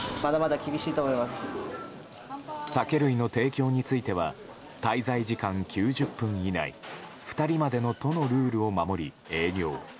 酒類の提供については滞在時間９０分以内２人までの都のルールを守り営業。